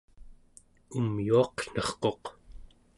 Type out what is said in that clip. umyuaqnarquq